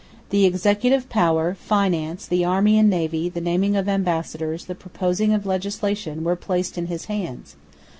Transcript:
The executive power, finance, the army and navy, the naming of ambassadors, the proposing of legislation, were placed in his hands.